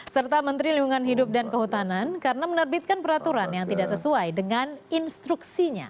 serta menteri lingkungan hidup dan kehutanan karena menerbitkan peraturan yang tidak sesuai dengan instruksinya